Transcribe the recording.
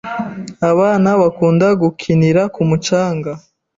Abana bakunda gukinira ku mucanga.